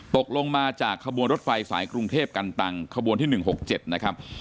ตกลงมาจากขบวนรถไฟสายกรุงเทพกันตังขบวนที่๑๖๗นะครับ